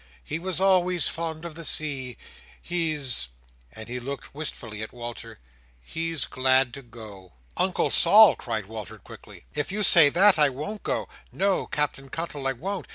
He was always fond of the sea He's"—and he looked wistfully at Walter—"he's glad to go." "Uncle Sol!" cried Walter, quickly, "if you say that, I won't go. No, Captain Cuttle, I won't.